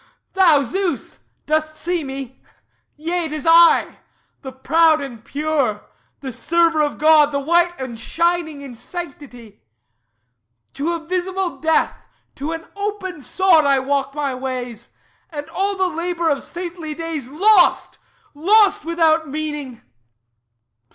Thou, Zeus, dost see me? Yea, it is I; The proud and pure, the server of God, The white and shining in sanctity! To a visible death, to an open sod, I walk my ways; And all the labour of saintly days Lost, lost, without meaning!